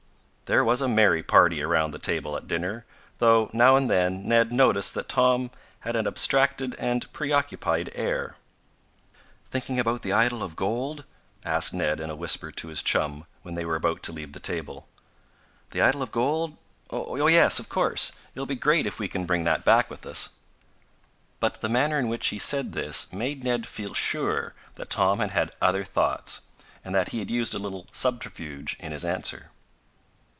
There was a merry party around the table at dinner, though now and then Ned noticed that Tom had an abstracted and preoccupied air. "Thinking about the idol of gold?" asked Ned in a whisper to his chum, when they were about to leave the table. "The idol of gold? Oh, yes! Of course! It will be great if we can bring that back with us." But the manner in which he said this made Ned feel sure that Tom had had other thoughts, and that he had used a little subterfuge in his answer.